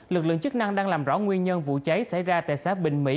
lực lượng chức năng đang làm rõ nguyên nhân vụ cháy xảy ra tại xã bình mỹ